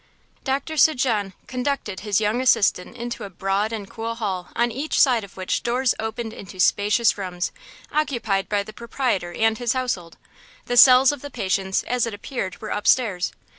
Doctor St. Jean conducted his young assistant into a broad and cool hall on each side of which doors opened into spacious rooms, occupied by the proprietor and his household. The cells of the patients, as it appeared were up stairs.